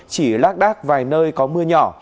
chỉ lát đát vài nơi có mưa nhỏ